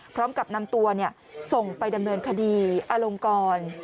พร้อมกับนำตัวส่งไปดำเนินคดีอลงกร